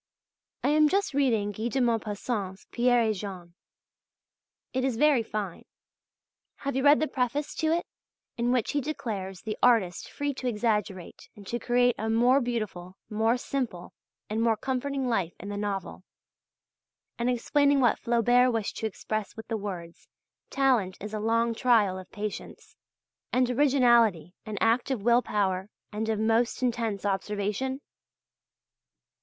I am just reading Guy de Maupassant's "Pierre et Jean." It is very fine. Have you read the preface to it, in which he declares the artist free to exaggerate and to create a more beautiful, more simple, and more comforting life in the novel, and explaining what Flaubert wished to express with the words, "talent is a long trial of patience," and originality an act of will power and of most intense observation?